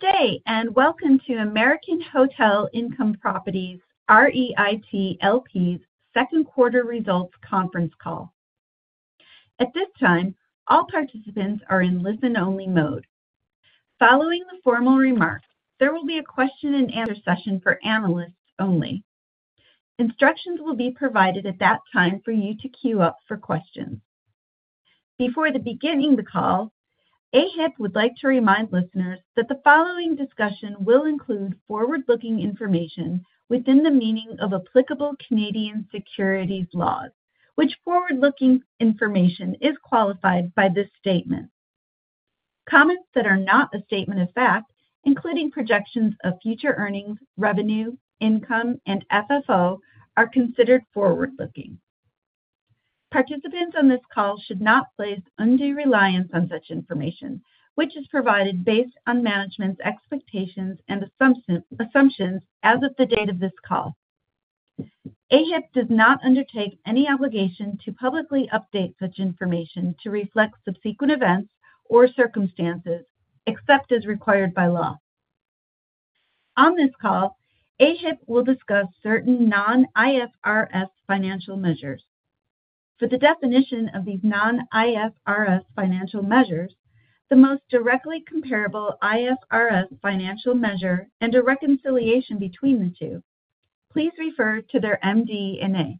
Good day, and welcome to American Hotel Income Properties REIT LP's second quarter results conference call. At this time, all participants are in listen-only mode. Following the formal remarks, there will be a question and answer session for analysts only. Instructions will be provided at that time for you to queue up for questions. Before the beginning of the call, AHIP would like to remind listeners that the following discussion will include forward-looking information within the meaning of applicable Canadian securities laws, which forward-looking information is qualified by this statement. Comments that are not a statement of fact, including projections of future earnings, revenue, income, and FFO, are considered forward-looking. Participants on this call should not place undue reliance on such information, which is provided based on management's expectations and assumptions as of the date of this call. AHIP does not undertake any obligation to publicly update such information to reflect subsequent events or circumstances, except as required by law. On this call, AHIP will discuss certain non-IFRS financial measures. For the definition of these non-IFRS financial measures, the most directly comparable IFRS financial measure, and a reconciliation between the two, please refer to their MD&A.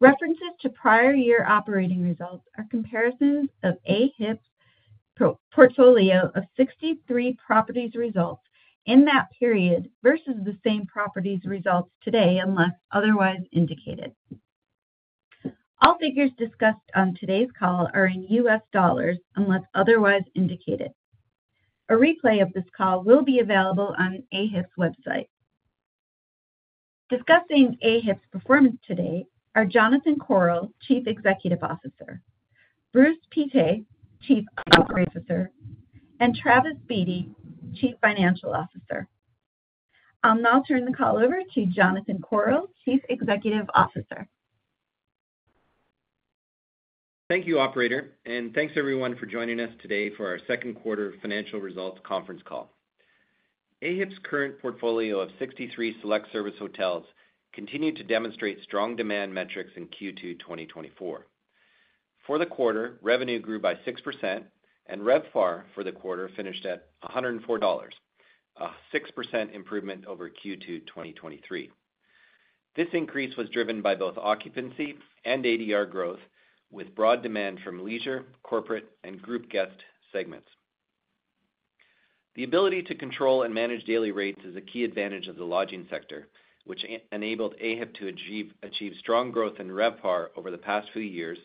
References to prior year operating results are comparisons of AHIP's pro forma portfolio of 63 properties results in that period versus the same properties results today, unless otherwise indicated. All figures discussed on today's call are in US dollars, unless otherwise indicated. A replay of this call will be available on AHIP's website. Discussing AHIP's performance today are Jonathan Korol, Chief Executive Officer, Bruce Pittet, Chief Operating Officer, and Travis Beatty, Chief Financial Officer. I'll now turn the call over to Jonathan Korol, Chief Executive Officer. Thank you, operator, and thanks, everyone, for joining us today for our second quarter financial results conference call. AHIP's current portfolio of 63 select service hotels continued to demonstrate strong demand metrics in Q2 2024. For the quarter, revenue grew by 6%, and RevPAR for the quarter finished at $104, a 6% improvement over Q2 2023. This increase was driven by both occupancy and ADR growth, with broad demand from leisure, corporate, and group guest segments. The ability to control and manage daily rates is a key advantage of the lodging sector, which enabled AHIP to achieve strong growth in RevPAR over the past few years,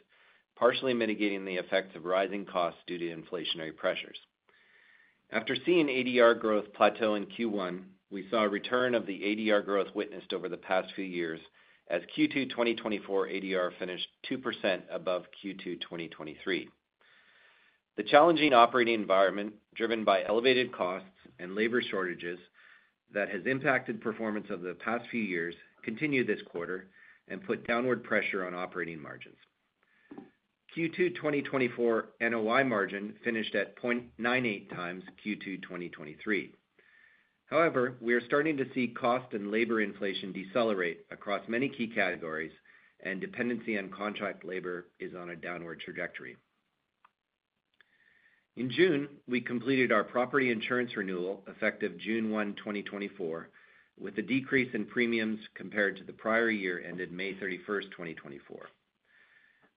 partially mitigating the effects of rising costs due to inflationary pressures. After seeing ADR growth plateau in Q1, we saw a return of the ADR growth witnessed over the past few years, as Q2 2024 ADR finished 2% above Q2 2023. The challenging operating environment, driven by elevated costs and labor shortages that has impacted performance over the past few years, continued this quarter and put downward pressure on operating margins. Q2 2024 NOI margin finished at 0.98 times Q2 2023. However, we are starting to see cost and labor inflation decelerate across many key categories, and dependency on contract labor is on a downward trajectory. In June, we completed our property insurance renewal, effective June 1, 2024, with a decrease in premiums compared to the prior year, ended May 31, 2024.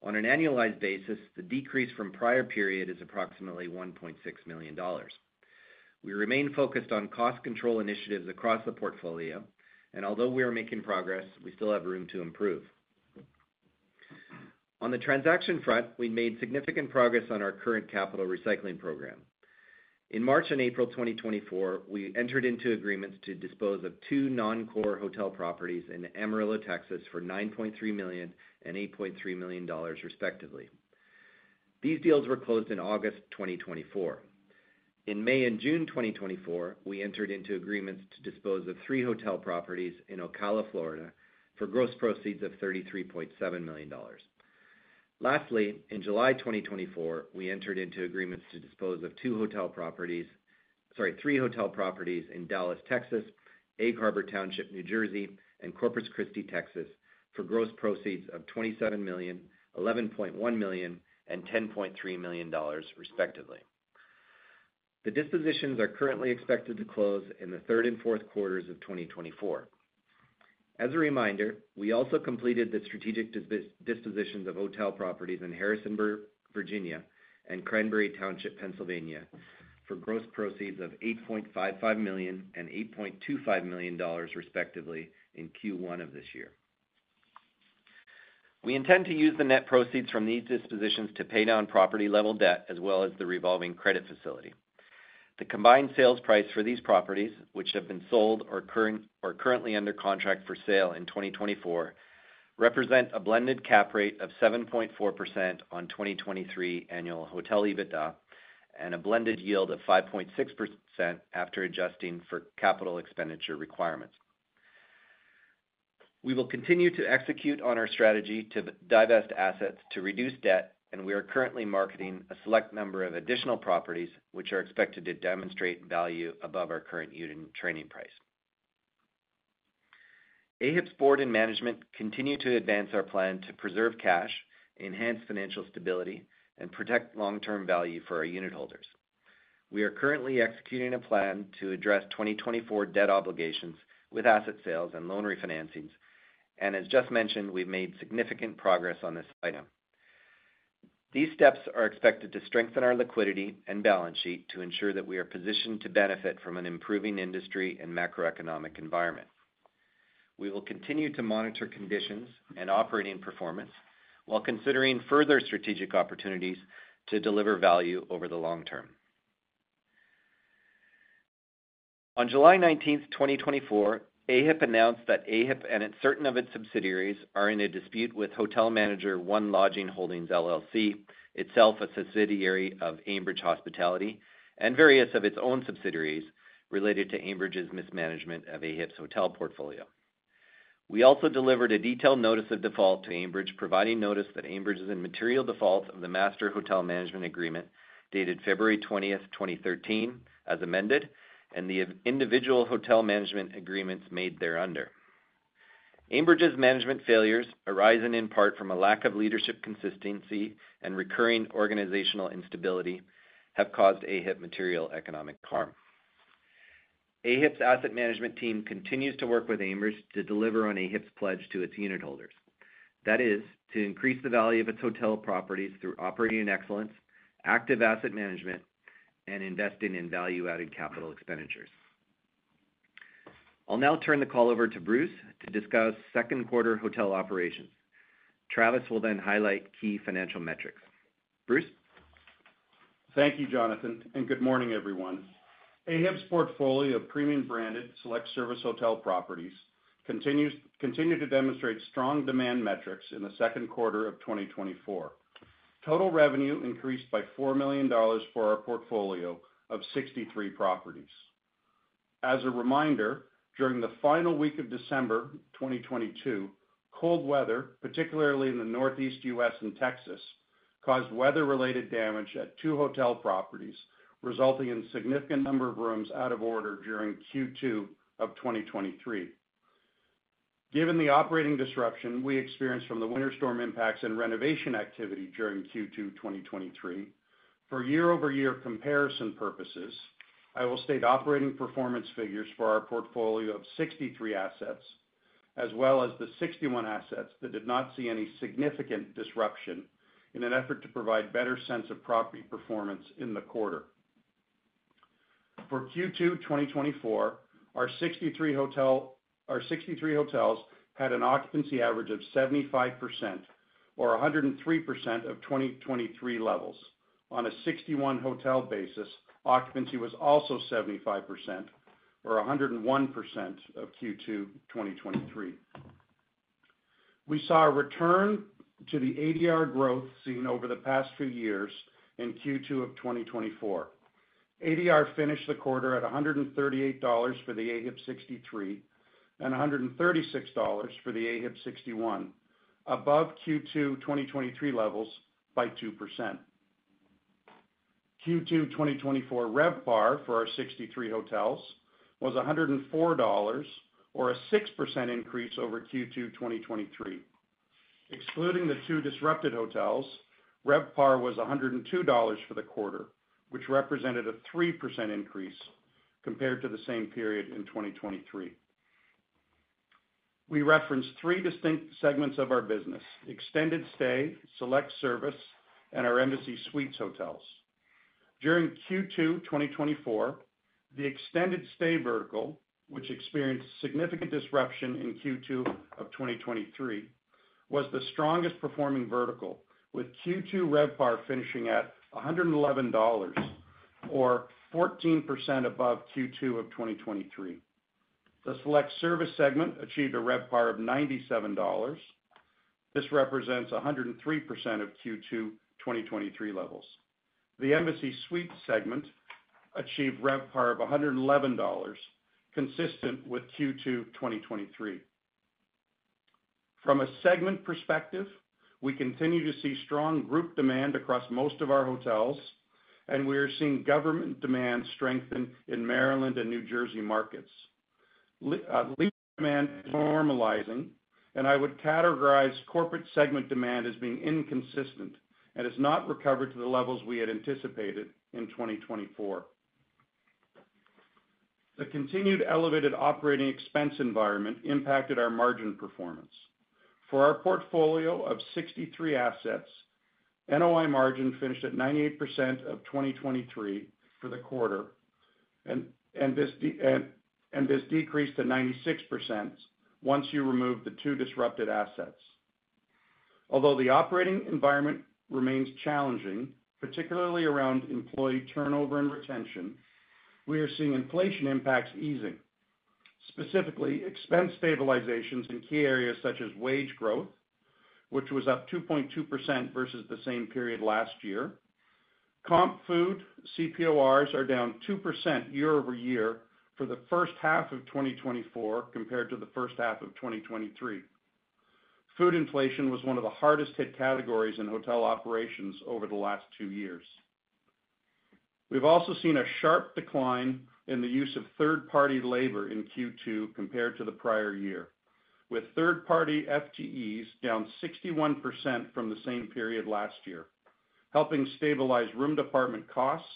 On an annualized basis, the decrease from prior period is approximately $1.6 million. We remain focused on cost control initiatives across the portfolio, and although we are making progress, we still have room to improve. On the transaction front, we made significant progress on our current capital recycling program. In March and April 2024, we entered into agreements to dispose of two non-core hotel properties in Amarillo, Texas, for $9.3 million and $8.3 million, respectively. These deals were closed in August 2024. In May and June 2024, we entered into agreements to dispose of three hotel properties in Ocala, Florida, for gross proceeds of $33.7 million. Lastly, in July 2024, we entered into agreements to dispose of two hotel properties—sorry, three hotel properties in Dallas, Texas, Egg Harbor Township, New Jersey, and Corpus Christi, Texas, for gross proceeds of $27 million, $11.1 million, and $10.3 million, respectively. The dispositions are currently expected to close in the third and fourth quarters of 2024. As a reminder, we also completed the strategic dispositions of hotel properties in Harrisonburg, Virginia, and Cranberry Township, Pennsylvania, for gross proceeds of $8.55 million and $8.25 million, respectively, in Q1 of this year. We intend to use the net proceeds from these dispositions to pay down property-level debt, as well as the revolving credit facility. The combined sales price for these properties, which have been sold or currently under contract for sale in 2024, represent a blended cap rate of 7.4% on 2023 annual hotel EBITDA and a blended yield of 5.6% after adjusting for capital expenditure requirements. We will continue to execute on our strategy to divest assets to reduce debt, and we are currently marketing a select number of additional properties, which are expected to demonstrate value above our current unit trading price. AHIP's board and management continue to advance our plan to preserve cash, enhance financial stability, and protect long-term value for our unitholders. We are currently executing a plan to address 2024 debt obligations with asset sales and loan refinancings, and as just mentioned, we've made significant progress on this item. These steps are expected to strengthen our liquidity and balance sheet to ensure that we are positioned to benefit from an improving industry and macroeconomic environment. We will continue to monitor conditions and operating performance while considering further strategic opportunities to deliver value over the long term. On July 19, 2024, AHIP announced that AHIP and certain of its subsidiaries are in a dispute with hotel manager, One Lodging Holdings, LLC, itself, a subsidiary of Aimbridge Hospitality, and various of its own subsidiaries related to Aimbridge's mismanagement of AHIP's hotel portfolio. We also delivered a detailed notice of default to Aimbridge, providing notice that Aimbridge is in material default of the Master Hotel Management Agreement dated February 20, 2013, as amended, and the individual hotel management agreements made thereunder. Aimbridge's management failures, arising in part from a lack of leadership consistency and recurring organizational instability, have caused AHIP material economic harm. AHIP's asset management team continues to work with Aimbridge to deliver on AHIP's pledge to its unitholders. That is, to increase the value of its hotel properties through operating excellence, active asset management, and investing in value-added capital expenditures. I'll now turn the call over to Bruce to discuss second quarter hotel operations. Travis will then highlight key financial metrics. Bruce? Thank you, Jonathan, and good morning, everyone. AHIP's portfolio of premium-branded, select-service hotel properties continue to demonstrate strong demand metrics in the second quarter of 2024. Total revenue increased by $4 million for our portfolio of 63 properties. As a reminder, during the final week of December 2022, cold weather, particularly in the Northeast U.S. and Texas, caused weather-related damage at 2 hotel properties, resulting in significant number of rooms out of order during Q2 of 2023. Given the operating disruption we experienced from the winter storm impacts and renovation activity during Q2 2023, for year-over-year comparison purposes, I will state operating performance figures for our portfolio of 63 assets, as well as the 61 assets that did not see any significant disruption in an effort to provide better sense of property performance in the quarter. For Q2 2024, our 63 hotels had an occupancy average of 75% or 103% of 2023 levels. On a 61 hotel basis, occupancy was also 75% or 101% of Q2 2023. We saw a return to the ADR growth seen over the past few years in Q2 of 2024. ADR finished the quarter at $138 for the AHIP 63, and $136 for the AHIP 61, above Q2 2023 levels by 2%. Q2 2024 RevPAR for our 63 hotels was $104, or a 6% increase over Q2 2023. Excluding the two disrupted hotels, RevPAR was $102 for the quarter, which represented a 3% increase compared to the same period in 2023. We referenced three distinct segments of our business: extended stay, select service, and our Embassy Suites hotels. During Q2 2024, the extended stay vertical, which experienced significant disruption in Q2 of 2023, was the strongest performing vertical, with Q2 RevPAR finishing at $111 or 14% above Q2 of 2023. The select service segment achieved a RevPAR of $97. This represents 103% of Q2 2023 levels. The Embassy Suites segment achieved RevPAR of $111, consistent with Q2 2023. From a segment perspective, we continue to see strong group demand across most of our hotels, and we are seeing government demand strengthen in Maryland and New Jersey markets. Leisure demand is normalizing, and I would categorize corporate segment demand as being inconsistent and has not recovered to the levels we had anticipated in 2024. The continued elevated operating expense environment impacted our margin performance. For our portfolio of 63 assets, NOI margin finished at 98% of 2023 for the quarter, and this decreased to 96% once you remove the 2 disrupted assets. Although the operating environment remains challenging, particularly around employee turnover and retention, we are seeing inflation impacts easing, specifically, expense stabilizations in key areas such as wage growth, which was up 2.2% versus the same period last year. Comp food CPORs are down 2% year-over-year for the first half of 2024, compared to the first half of 2023. Food inflation was one of the hardest hit categories in hotel operations over the last two years. We've also seen a sharp decline in the use of third-party labor in Q2 compared to the prior year, with third-party FTEs down 61% from the same period last year, helping stabilize room department costs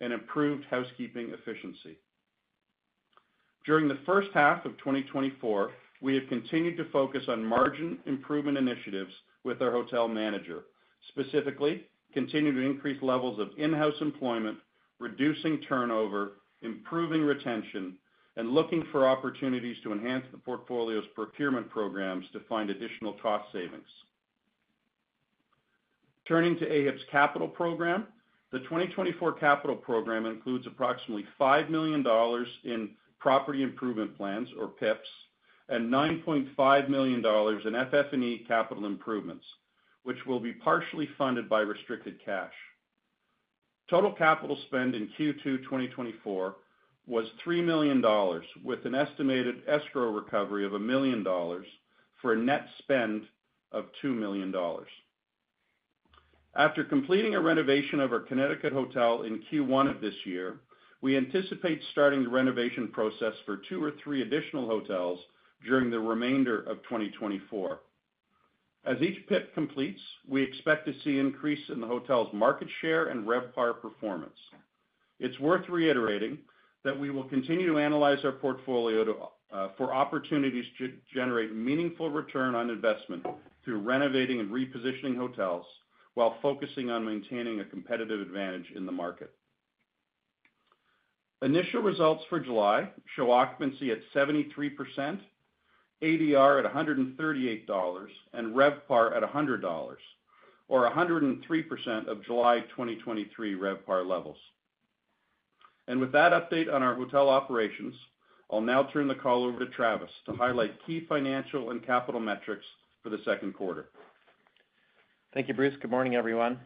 and improved housekeeping efficiency. During the first half of 2024, we have continued to focus on margin improvement initiatives with our hotel manager, specifically continuing to increase levels of in-house employment, reducing turnover, improving retention, and looking for opportunities to enhance the portfolio's procurement programs to find additional cost savings. Turning to AHIP's capital program, the 2024 capital program includes approximately $5 million in property improvement plans, or PIPs, and $9.5 million in FF&E capital improvements, which will be partially funded by restricted cash. Total capital spend in Q2 2024 was $3 million, with an estimated escrow recovery of $1 million, for a net spend of $2 million. After completing a renovation of our Connecticut hotel in Q1 of this year, we anticipate starting the renovation process for 2 or 3 additional hotels during the remainder of 2024. As each PIP completes, we expect to see increase in the hotel's market share and RevPAR performance. It's worth reiterating that we will continue to analyze our portfolio to, for opportunities to generate meaningful return on investment through renovating and repositioning hotels, while focusing on maintaining a competitive advantage in the market. Initial results for July show occupancy at 73%, ADR at $138, and RevPAR at $100, or 103% of July 2023 RevPAR levels. With that update on our hotel operations, I'll now turn the call over to Travis to highlight key financial and capital metrics for the second quarter. Thank you, Bruce. Good morning, everyone.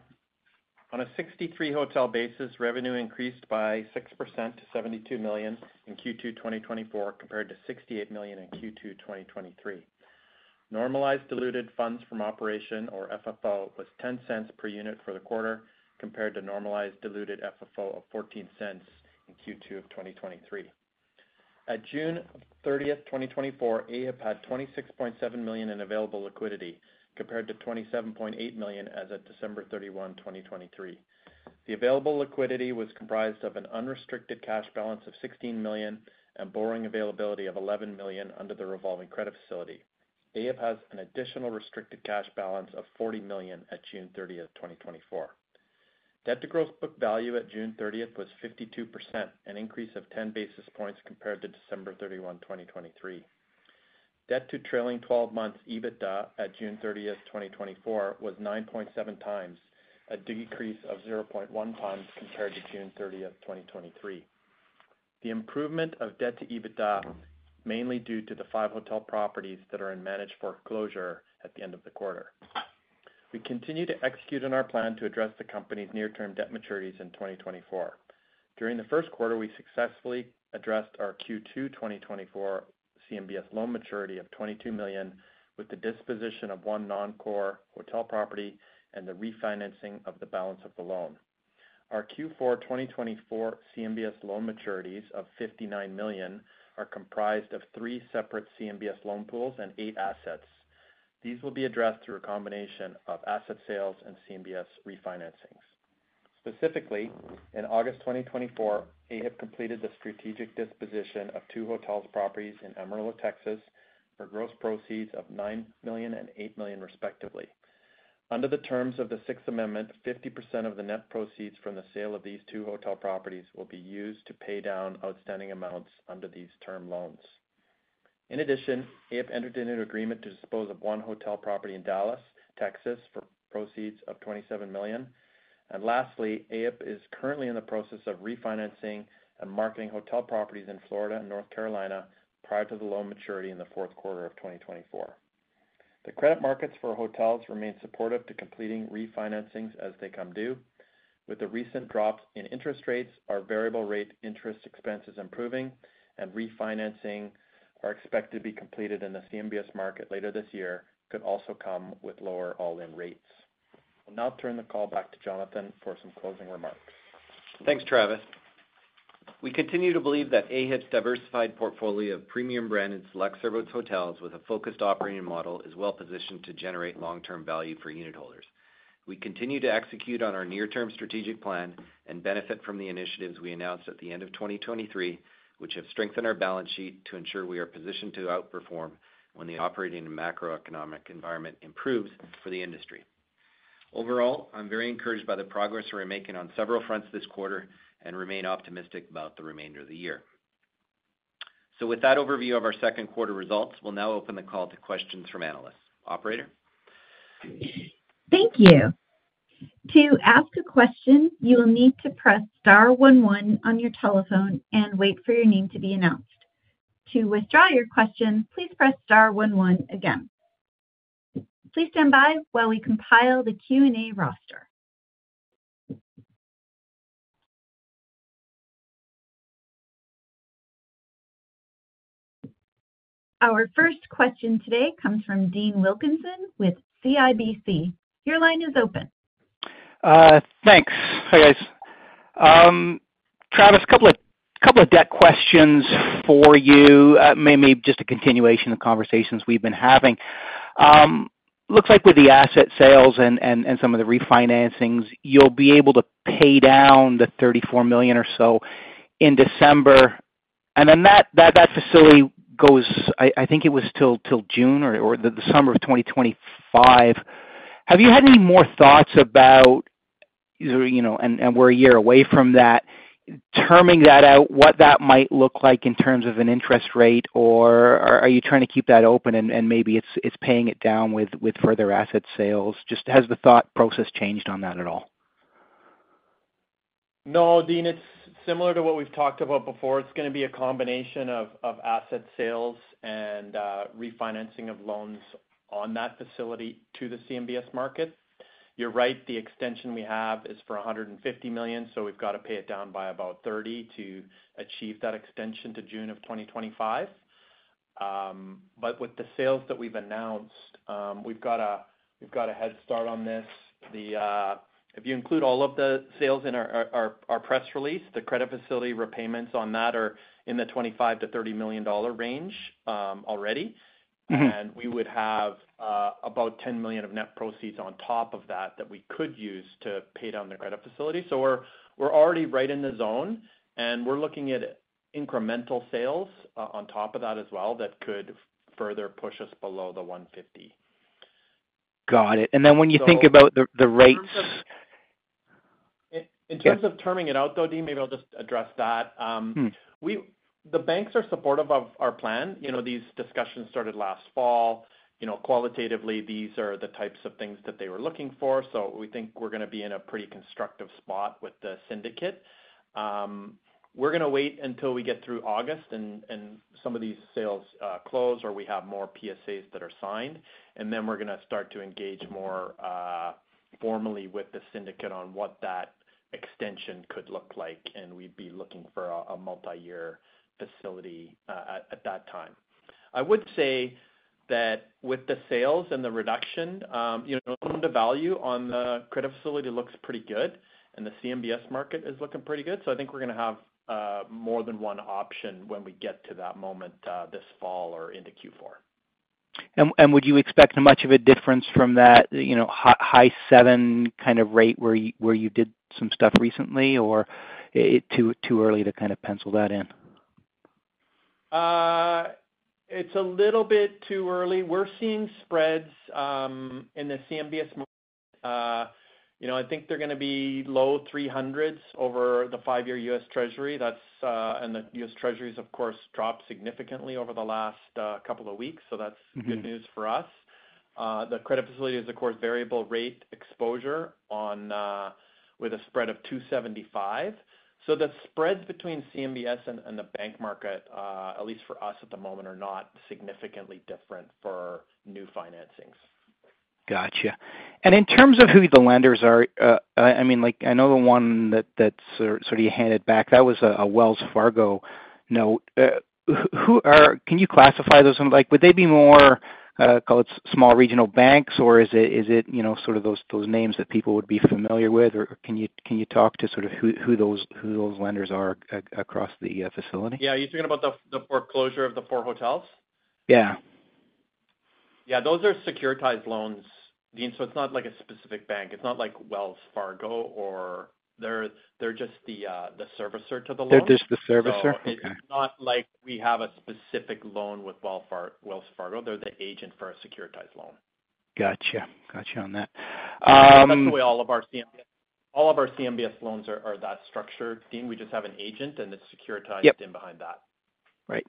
On a 63-hotel basis, revenue increased by 6% to $72 million in Q2 2024, compared to $68 million in Q2 2023. Normalized diluted funds from operations, or FFO, was $0.10 per unit for the quarter, compared to normalized diluted FFO of $0.14 in Q2 2023. At June 30, 2024, AHIP had $26.7 million in available liquidity, compared to $27.8 million as of December 31, 2023. The available liquidity was comprised of an unrestricted cash balance of $16 million and borrowing availability of $11 million under the revolving credit facility. AHIP has an additional restricted cash balance of $40 million at June 30, 2024. Debt to gross book value at June 30 was 52%, an increase of 10 basis points compared to December 31, 2023. Debt to trailing twelve months EBITDA at June 30, 2024, was 9.7 times, a decrease of 0.1 times compared to June 30, 2023. The improvement of debt to EBITDA, mainly due to the five hotel properties that are in managed foreclosure at the end of the quarter. We continue to execute on our plan to address the company's near-term debt maturities in 2024. During the first quarter, we successfully addressed our Q2 2024 CMBS loan maturity of $22 million with the disposition of one non-core hotel property and the refinancing of the balance of the loan. Our Q4 2024 CMBS loan maturities of $59 million are comprised of three separate CMBS loan pools and eight assets. These will be addressed through a combination of asset sales and CMBS refinancings. Specifically, in August 2024, AHIP completed the strategic disposition of two hotel properties in Amarillo, Texas, for gross proceeds of $9 million and $8 million, respectively. Under the terms of the Sixth Amendment, 50% of the net proceeds from the sale of these two hotel properties will be used to pay down outstanding amounts under these term loans. In addition, AHIP entered into an agreement to dispose of one hotel property in Dallas, Texas, for proceeds of $27 million. And lastly, AHIP is currently in the process of refinancing and marketing hotel properties in Florida and North Carolina prior to the loan maturity in the fourth quarter of 2024. The credit markets for hotels remain supportive to completing refinancings as they come due. With the recent drop in interest rates, our variable rate interest expense is improving, and refinancing is expected to be completed in the CMBS market later this year and could also come with lower all-in rates. I'll now turn the call back to Jonathan for some closing remarks. Thanks, Travis. We continue to believe that AHIP's diversified portfolio of premium brand and select-service hotels with a focused operating model, is well positioned to generate long-term value for unitholders. We continue to execute on our near-term strategic plan and benefit from the initiatives we announced at the end of 2023, which have strengthened our balance sheet to ensure we are positioned to outperform when the operating and macroeconomic environment improves for the industry. Overall, I'm very encouraged by the progress we're making on several fronts this quarter and remain optimistic about the remainder of the year. So with that overview of our second quarter results, we'll now open the call to questions from analysts. Operator? Thank you. To ask a question, you will need to press star one one on your telephone and wait for your name to be announced. To withdraw your question, please press star one one again.... Please stand by while we compile the Q&A roster. Our first question today comes from Dean Wilkinson with CIBC. Your line is open. Thanks. Hi, guys. Travis, a couple of debt questions for you. Maybe just a continuation of conversations we've been having. Looks like with the asset sales and some of the refinancings, you'll be able to pay down the $34 million or so in December, and then that facility goes, I think it was till June or the summer of 2025. Have you had any more thoughts about, you know, and we're a year away from that, terming that out, what that might look like in terms of an interest rate, or are you trying to keep that open, and maybe it's paying it down with further asset sales? Just has the thought process changed on that at all? No, Dean, it's similar to what we've talked about before. It's gonna be a combination of asset sales and refinancing of loans on that facility to the CMBS market. You're right, the extension we have is for $150 million, so we've gotta pay it down by about $30 million to achieve that extension to June 2025. But with the sales that we've announced, we've got a head start on this. If you include all of the sales in our press release, the credit facility repayments on that are in the $25-$30 million range already. Mm-hmm. And we would have about $10 million of net proceeds on top of that, that we could use to pay down the credit facility. So we're, we're already right in the zone, and we're looking at incremental sales on top of that as well, that could further push us below the $150. Got it. So- And then when you think about the rates- In terms of terming it out, though, Dean, maybe I'll just address that. Hmm. We, the banks are supportive of our plan. You know, these discussions started last fall. You know, qualitatively, these are the types of things that they were looking for, so we think we're gonna be in a pretty constructive spot with the syndicate. We're gonna wait until we get through August and some of these sales close, or we have more PSAs that are signed, and then we're gonna start to engage more formally with the syndicate on what that extension could look like, and we'd be looking for a multi-year facility at that time. I would say that with the sales and the reduction, you know, loan to value on the credit facility looks pretty good, and the CMBS market is looking pretty good. I think we're gonna have more than one option when we get to that moment this fall or into Q4. Would you expect much of a difference from that, you know, high-7 kind of rate where you did some stuff recently, or is it too early to kind of pencil that in? It's a little bit too early. We're seeing spreads in the CMBS market. You know, I think they're gonna be low 300s over the five-year U.S. Treasury. That's. The U.S. Treasuries, of course, dropped significantly over the last couple of weeks, so that's- Mm-hmm... good news for us. The credit facility is, of course, variable rate exposure on with a spread of 275. So the spreads between CMBS and, and the bank market, at least for us at the moment, are not significantly different for new financings. Gotcha. And in terms of who the lenders are, I mean, like, I know the one that sort of you handed back, that was a Wells Fargo note. Can you classify those? And, like, would they be more, call it small regional banks, or is it, you know, sort of those names that people would be familiar with, or can you talk to sort of who those lenders are across the facility? Yeah. Are you talking about the, the foreclosure of the 4 hotels? Yeah. Yeah, those are securitized loans, Dean, so it's not like a specific bank. It's not like Wells Fargo or... They're just the servicer to the loan. They're just the servicer? So- Okay. It's not like we have a specific loan with Wells Fargo. They're the agent for a securitized loan. Gotcha. Gotcha on that. That's the way all of our CMBS... All of our CMBS loans are, are that structured, Dean. We just have an agent, and it's securitized- Yep behind that. Right.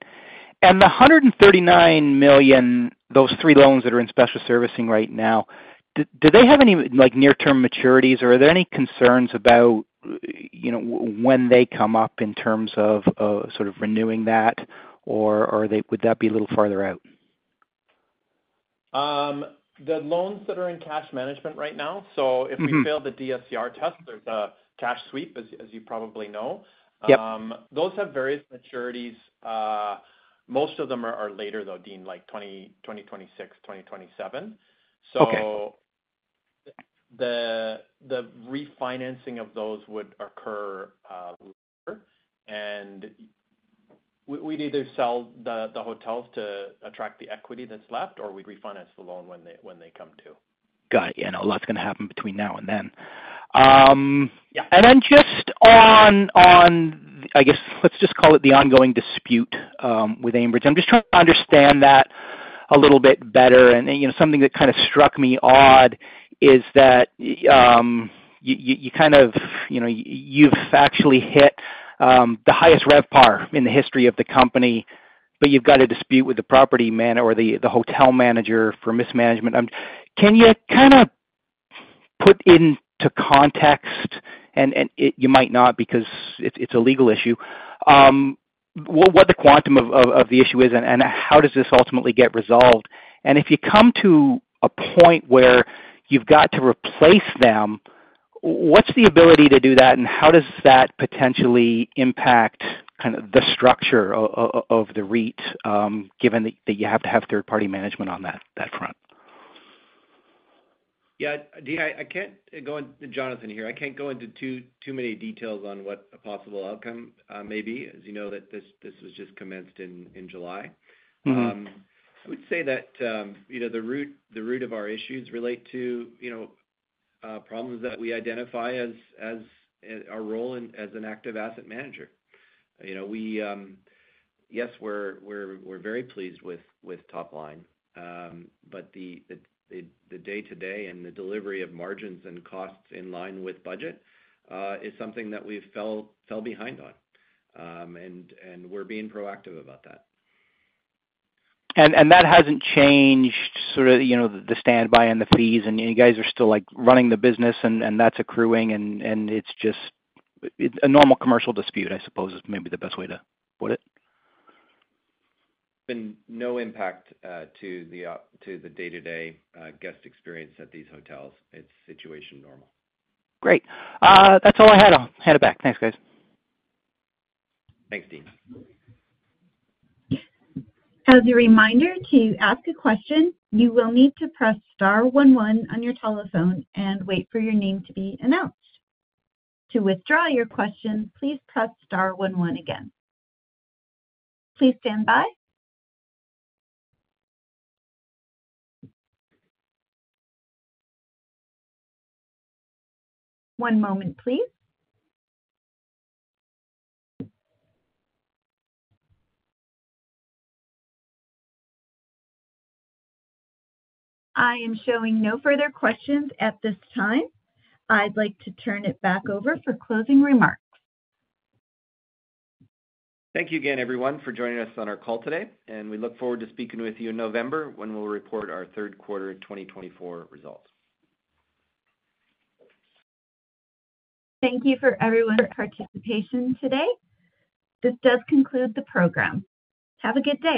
And the $139 million, those three loans that are in special servicing right now, do they have any, like, near-term maturities, or are there any concerns about, you know, when they come up in terms of, sort of renewing that, or, or they would that be a little farther out? The loans that are in cash management right now- Mm-hmm. If we fail the DSCR test, there's a cash sweep, as you probably know. Yep. Those have various maturities. Most of them are later, though, Dean, like 2026, 2027. Okay. The refinancing of those would occur later, and we'd either sell the hotels to attract the equity that's left, or we'd refinance the loan when they come to. Got it. Yeah, and a lot's gonna happen between now and then. Yeah. And then just on, I guess, let's just call it the ongoing dispute with Aimbridge. I'm just trying to understand that a little bit better. And, you know, something that kind of struck me odd is that, you know, you've factually hit the highest RevPAR in the history of the company, but you've got a dispute with the property manager or the hotel manager for mismanagement. Can you kind of put into context, and it you might not because it's a legal issue, well, what the quantum of the issue is and how does this ultimately get resolved? And if you come to a point where you've got to replace them, what's the ability to do that? How does that potentially impact kind of the structure of the REIT, given that you have to have third party management on that front? Yeah, Dean, Jonathan here. I can't go into too many details on what a possible outcome may be, as you know, that this was just commenced in July. Mm-hmm. I would say that, you know, the root of our issues relate to, you know, problems that we identify as our role in as an active asset manager. You know, we, yes, we're very pleased with top line. But the day-to-day and the delivery of margins and costs in line with budget is something that we've fell behind on. And we're being proactive about that. That hasn't changed sort of, you know, the standby and the fees, and you guys are still, like, running the business, and it's accruing, and it's just a normal commercial dispute, I suppose, is maybe the best way to put it? Been no impact to the day-to-day guest experience at these hotels. It's situation normal. Great. That's all I had. I'll hand it back. Thanks, guys. Thanks, Dean. As a reminder, to ask a question, you will need to press star one one on your telephone and wait for your name to be announced. To withdraw your question, please press star one one again. Please stand by. One moment, please. I am showing no further questions at this time. I'd like to turn it back over for closing remarks. Thank you again, everyone, for joining us on our call today, and we look forward to speaking with you in November, when we'll report our third quarter 2024 results. Thank you for everyone's participation today. This does conclude the program. Have a good day!